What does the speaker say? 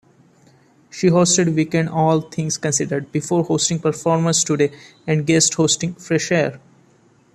She hosted "Weekend All Things Considered" before hosting "Performance Today" and guest-hosting "Fresh Air".